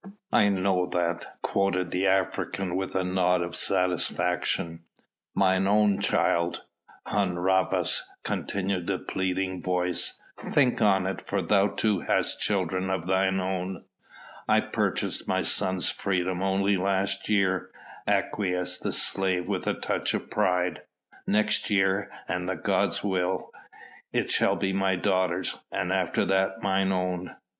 "I know that," quoth the African with a nod of satisfaction. "My own child, Hun Rhavas," continued the pleading voice; "think on it, for thou too hast children of thine own." "I purchased my son's freedom only last year," acquiesced the slave with a touch of pride. "Next year, an the gods will, it shall be my daughter's and after that mine own.